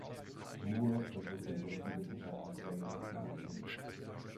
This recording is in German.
Moore versucht den verrückten Wissenschaftler Quaid aufzuhalten.